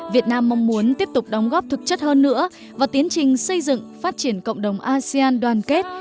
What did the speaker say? việt nam mong muốn tiếp tục đóng góp thực chất hơn nữa vào tiến trình xây dựng phát triển cộng đồng asean đoàn kết